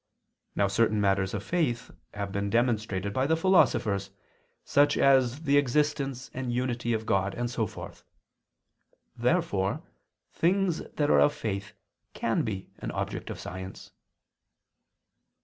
Now certain matters of faith have been demonstrated by the philosophers, such as the Existence and Unity of God, and so forth. Therefore things that are of faith can be an object of science.